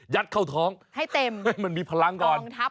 ยัดข่าวท้องให้เต็มมันมีพลังอ่ะ